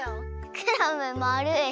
クラムまるい。